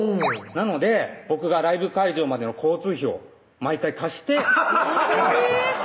なので僕がライブ会場までの交通費を毎回貸してアハハハッえぇ！